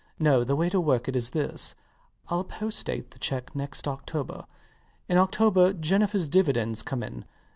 No: the way to work it is this. I'll postdate the cheque next October. In October Jennifer's dividends come in.